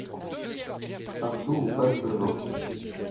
Partout où passe le vent